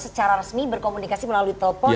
secara resmi berkomunikasi melalui telepon